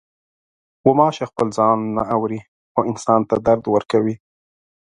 غوماشه خپل ځان نه اوري، خو انسان ته درد ورکوي.